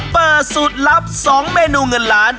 เปิดสูตรลับ๒เมนูเงินล้าน